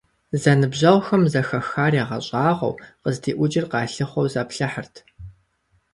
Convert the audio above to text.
Зэныбжьэгъухэм, зэхахар ягъэщӀагъуэу, къыздиӀукӀыр къалъыхъуэу заплъыхьырт.